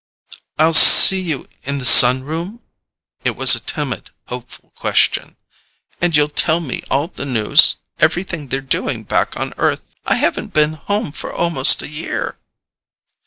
"I'll see you in the sunroom?" It was a timid, hopeful question. "And you'll tell me all the news everything they're doing back on Earth. I haven't been home for almost a year."